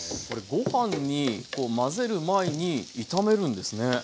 これご飯に混ぜる前に炒めるんですね。